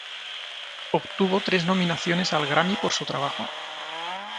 Obtuvo tres nominaciones al Grammy por su trabajo.